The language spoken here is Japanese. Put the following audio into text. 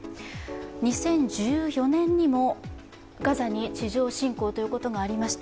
２０１４年にもガザに地上侵攻がありました。